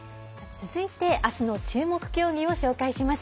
続いて、あすの注目競技を紹介します。